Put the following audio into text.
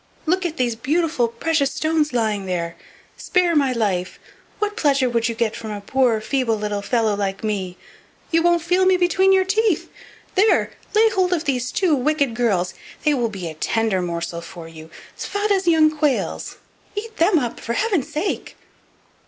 Look at those beautiful precious stones lying there. Spare my life! what pleasure would you get from a poor feeble little fellow like me? You won't feel me between your teeth. There, lay hold of these two wicked girls, they will be a tender morsel for you, as fat as young quails; eat them up, for heaven's sake."